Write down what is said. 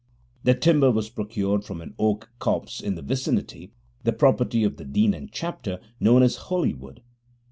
The timber was procured from an oak copse in the vicinity, the property of the Dean and Chapter, known as Holywood.